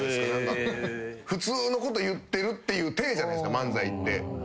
普通のこと言ってるっていう体じゃないですか漫才って。